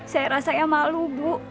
saya rasanya malu bu